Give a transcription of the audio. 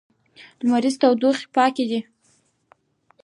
لمریزې تختې پاکې دي.